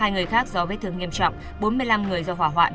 hai người khác do vết thương nghiêm trọng bốn mươi năm người do hỏa hoạn